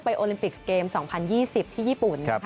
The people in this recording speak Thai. โอลิมปิกเกม๒๐๒๐ที่ญี่ปุ่น